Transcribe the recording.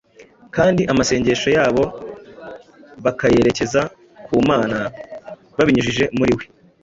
kandi amasengesho yabo bakayerekeza ku Mana babinyujije muri We.